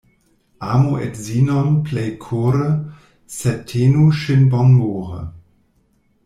Amu edzinon plej kore, sed tenu ŝin bonmore.